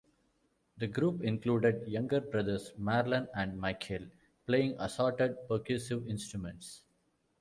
The group included younger brothers Marlon and Michael playing assorted percussive instruments.